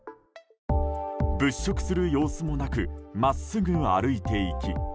物色する様子もなく真っすぐ歩いていき。